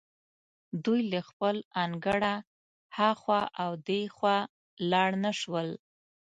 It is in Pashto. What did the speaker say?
دوی له خپل انګړه هخوا او دېخوا لاړ نه شول.